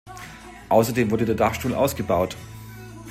Außerdem wurde der Dachstuhl ausgebaut.